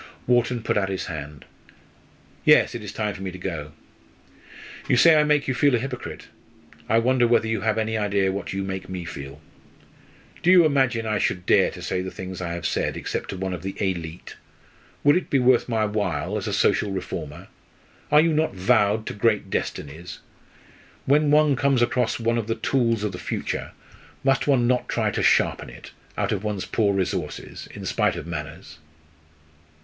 Wharton put out his hand. "Yes, it is time for me to go. You say I make you feel a hypocrite! I wonder whether you have any idea what you make me feel? Do you imagine I should dare to say the things I have said except to one of the élite? Would it be worth my while, as a social reformer? Are you not vowed to great destinies? When one comes across one of the tools of the future, must one not try to sharpen it, out of one's poor resources, in spite of manners?"